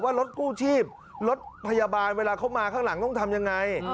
รถกู้ชีพรถพยาบาลเวลาเขามาข้างหลังต้องทำยังไง